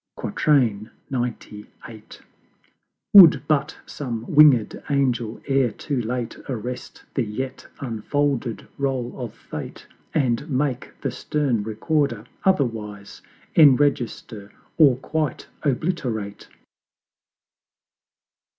XCVIII. Would but some winged Angel ere too late Arrest the yet unfolded Roll of Fate, And make the stern Recorder otherwise Enregister, or quite obliterate!